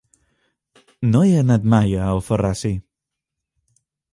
No he anat mai a Alfarrasí.